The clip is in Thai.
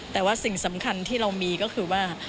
แต่ว่าสิ่งสำคัญที่เรามีก็คือว่า